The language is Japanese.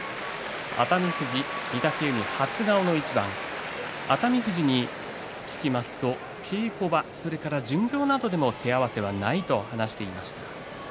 熱海富士、御嶽海初顔の一番熱海富士に聞きますと稽古場、それから巡業などでも手合わせはないと話していました。